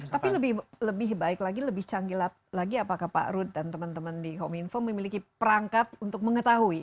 tapi lebih baik lagi lebih canggih lagi apakah pak rud dan teman teman di kominfo memiliki perangkat untuk mengetahui